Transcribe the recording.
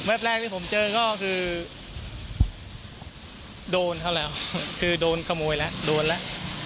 แรกที่ผมเจอก็คือโดนเขาแล้วคือโดนขโมยแล้วโดนแล้ว